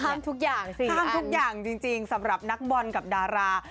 ทุกอย่างสิห้ามทุกอย่างจริงสำหรับนักบอลกับดารา